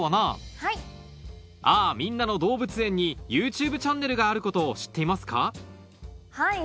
みんなの動物園』にＹｏｕＴｕｂｅチャンネルがあることを知っていますか？